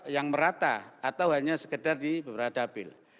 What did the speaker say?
yang merata atau hanya sekedar di beberapa dapil